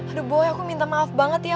aduh boy aku minta maaf banget ya